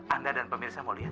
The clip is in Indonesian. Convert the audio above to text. anda dan pemirsa mau lihat